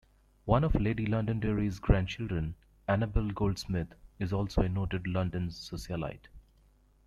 One of Lady Londonderry's grandchildren, Annabel Goldsmith, is also a noted London socialite.